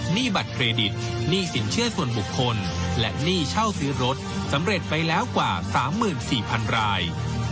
หนี้บัตรเครดิตหนี้สินเชื่อส่วนบุคคลและหนี้เช่าซื้อรถสำเร็จไปแล้วกว่า๓๔๐๐๐ราย